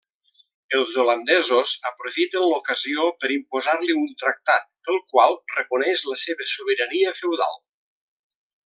Els holandesos aprofiten l'ocasió per imposar-li un tractat pel qual reconeix la seva sobirania feudal.